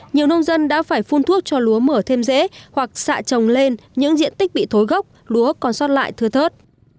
nhiều nông dân đã phải phun thuốc cho lúa mở thêm rễ hoặc xạ trồng lên những diện tích bị thối gốc lúa còn xót lại thưa thớt